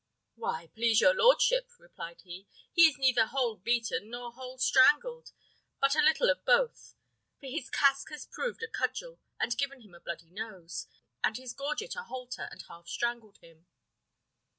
"Why, please your lordship," replied he, "he is neither whole beaten nor whole strangled, but a little of both; for his casque has proved a cudgel, and given him a bloody nose; and his gorget a halter, and half hanged him."